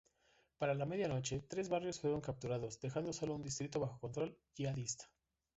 Para la medianoche, tres barrios fueron capturados, dejando solo un distrito bajo control yihadista.